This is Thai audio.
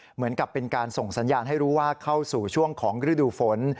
เหมือนกับเป็นการส่งสัญญาณให้รู้ว่าเข้าสู่ช่วงของฤดูฝน